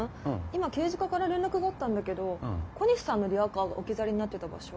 今刑事課から連絡があったんだけど小西さんのリアカーが置き去りになってた場所。